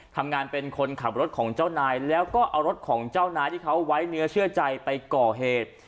เป็นคนขับรถของเจ้านายแล้วก็เอารถของเจ้านายที่เขาไว้เนื้อเชื่อใจไปก่อเหตุ